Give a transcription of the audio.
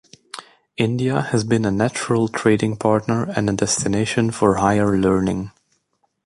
India has been a natural trading partner and a destination for higher learning.